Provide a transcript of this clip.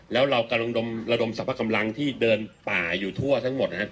แล้วเรากำลังระดมสรรพกำลังที่เดินป่าอยู่ทั่วทั้งหมดนะครับ